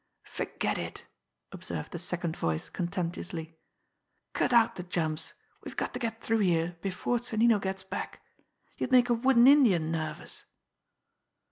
"Forget it!" observed the second voice contemptuously. "Cut out the jumps we've got to get through here before Sonnino gets back. You'd make a wooden Indian nervous!"